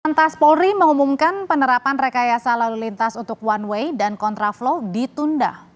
lantas polri mengumumkan penerapan rekayasa lalu lintas untuk one way dan kontraflow ditunda